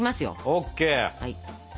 ＯＫ。